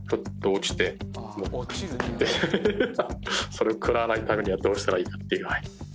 それを食らわないためにはどうしたらいいかっていう。